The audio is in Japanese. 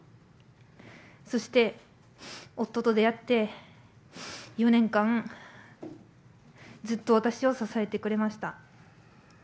そして夫と出会って、４年間、ずっと私を支えてくれました。